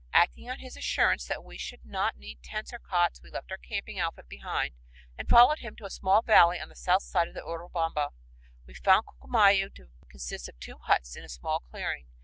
Acting on his assurance that we should not need tent or cots, we left our camping outfit behind and followed him to a small valley on the south side of the Urubamba. We found Ccllumayu to consist of two huts in a small clearing.